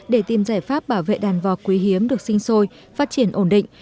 để tìm giải pháp bảo vệ đàn vọc quý hiếm được sinh sôi phát triển ổn định